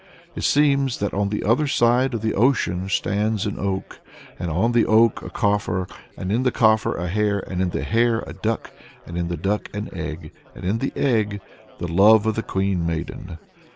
It seems "that on the other side of the ocean stands an oak, and on the oak a coffer, and in the coffer a hare, and in the hare a duck, and in the duck an egg, and in the egg the love of the Queen Maiden."